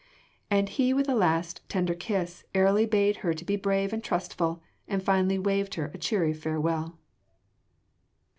And he with a last, tender kiss, airily bade her to be brave and trustful, and finally waved her a cheery farewell.